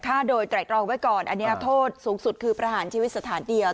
ฆ่าโดยไตรตรองไว้ก่อนอันนี้โทษสูงสุดคือประหารชีวิตสถานเดียว